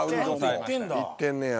いってんねや。